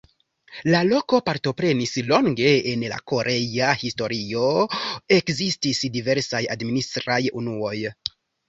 La loko partoprenis longe en la korea historio, ekzistis diversaj administraj unuoj.